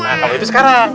nah kalau itu sekarang